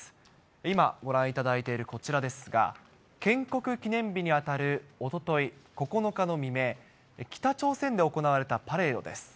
今、ご覧いただいているこちらですが、建国記念日に当たるおととい９日の未明、北朝鮮で行われたパレードです。